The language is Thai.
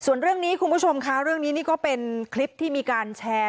ส่วนเรื่องนี้คุณผู้ชมค่ะเรื่องนี้นี่ก็เป็นคลิปที่มีการแชร์